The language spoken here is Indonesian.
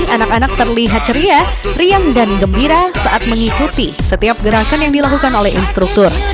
anak anak terlihat ceria riang dan gembira saat mengikuti setiap gerakan yang dilakukan oleh instruktur